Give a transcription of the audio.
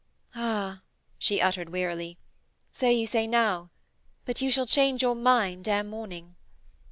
'Ah,' she uttered wearily, 'so you say now. But you shall change your mind ere morning.'